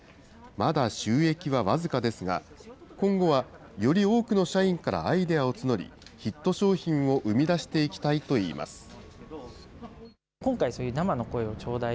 まだ収益は僅かですが、今後はより多くの社員からアイデアを募り、ヒット商品を生み出していきたいといいます。